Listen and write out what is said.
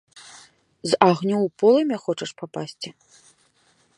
З агню ў полымя хочаш папасці?